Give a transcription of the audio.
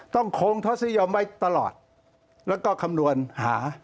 ต้องคงทศยมไว้ตลอดแล้วก็คำนวณหา